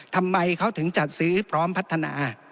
ทำไมเขาถึงจัดซื้อพร้อมพัฒนา